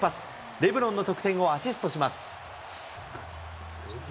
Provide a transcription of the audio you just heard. レブロンの得点をアシストします。